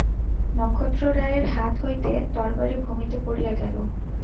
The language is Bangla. নক্ষত্ররায়ের হাত হইতে তরবারি ভূমিতে পড়িয়া গেল।